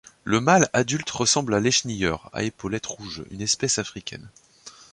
Le mâle adulte ressemble à l'Échenilleur à épaulettes rouges, une espèce africaine.